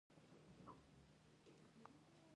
د خولې د افت لپاره د څه شي پوستکی جوش کړم؟